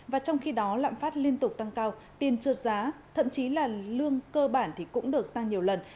và trong khi đó lạm phát liên tục tăng cao tiền trượt giá thậm chí là lương cơ bản thì cũng được tăng nhiều lần